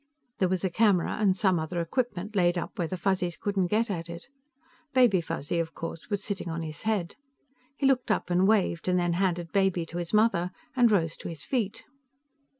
There was a camera and some other equipment laid up where the Fuzzies couldn't get at it. Baby Fuzzy, of course, was sitting on his head. He looked up and waved, and then handed Baby to his mother and rose to his feet.